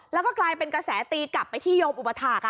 แล้วก็กลายเป็นกระแสตีกลับไปที่โยมอุปถาค